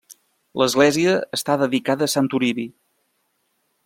L'església està dedicada a Sant Toribi.